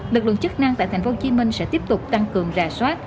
lực lượng chức năng tại tp hcm sẽ tiếp tục tăng cường rà soát